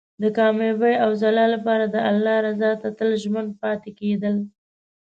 د کامیابۍ او ځلا لپاره د الله رضا ته تل ژمن پاتې کېدل.